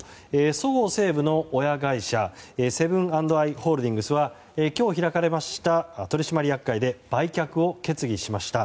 そごう・西武の親会社セブン＆アイ・ホールディングスは今日開かれました取締役会で売却を決議しました。